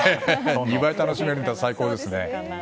２倍楽しめるのは最高ですね。